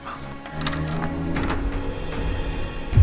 hari ini kamu masih ada di sini